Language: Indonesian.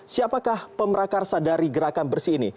siapakah pemrakarsa dari gerakan bersih ini